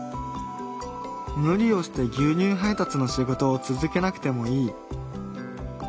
無理をして牛乳配達の仕事を続けなくてもいい。